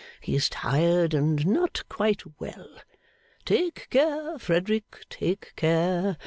He is tired, and not quite well. Take care, Frederick, take care.